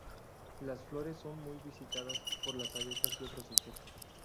Las flores son muy visitadas por las abejas y otros insectos.